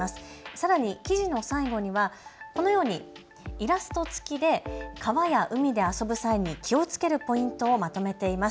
さらに記事の最後にはこのようにイラスト付きで川や海で遊ぶ際に気をつけるポイントをまとめています。